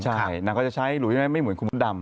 ใช่นางก็จะใช้หลุยไม่เหมือนคุณมุ้นดำ